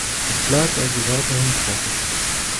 Es bleibt also weiterhin trocken.